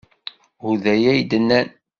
Ur d aya ay d-nnan.